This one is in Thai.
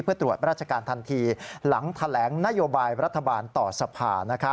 เพื่อตรวจราชการทันทีหลังแถลงนโยบายรัฐบาลต่อสภา